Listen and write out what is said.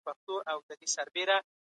اسلام د چا تاوان نه غواړي.